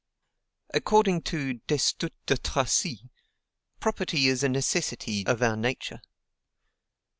According to Destutt de Tracy, property is a necessity of our nature.